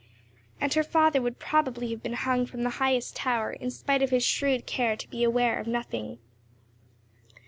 And her father would probably have been hung from the highest tower, in spite of his shrewd care to be aware of nothing.